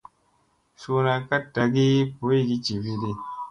Suuna ka ɗaagi boygi jiviɗi.